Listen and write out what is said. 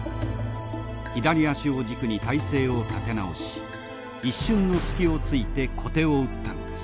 左足を軸に体勢を立て直し一瞬の隙をついて小手を打ったのです。